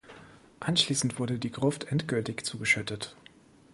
Anschließend wurde die Gruft endgültig zugeschüttet.